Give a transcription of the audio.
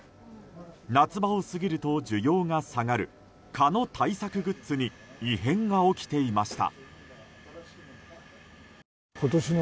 夏場を過ぎると需要が下がる蚊の対策グッズに異変が起きていました。